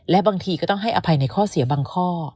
และบางทีก็ต้องให้อภัยในข้อเสียบางข้อ